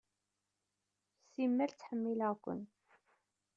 Simmal ttḥemmileɣ-ken.